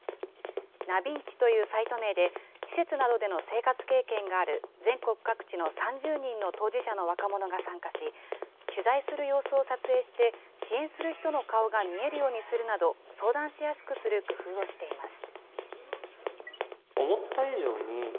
なびんちというサイト名で、施設などでの生活経験がある、全国各地の３０人の当事者の若者が参加し、取材する様子を撮影して、支援する人の顔が見えるようにするなど、相談しやすくする工夫をしています。